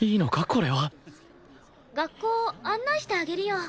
これは学校案内してあげるよ。